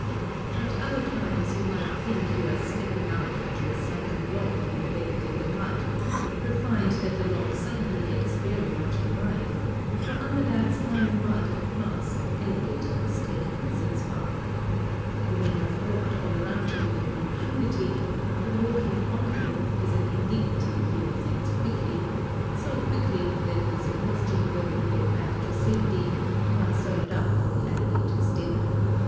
At other times you might think you are stepping out onto a sunken log imbedded in the mud, but find that the log suddenly gets very much alive, for under that slimy mud and grass an alligator was taking a sitz bath. You might have walked all around him with impunity, but walking on him is an indignity he resents quickly—so quickly that it is a question whether you get back to safety or are served up for the alligator's dinner.